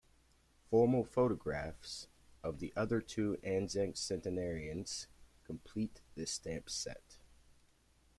Formal photographs of the other two Anzac centenarians complete this stamp set.